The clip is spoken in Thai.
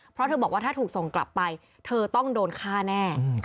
เพราะเธอบอกว่าถ้าถูกส่งกลับไปเธอต้องโดนฆ่าแน่